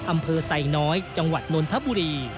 อำเภอไซน้อยจังหวัดนนทบุรี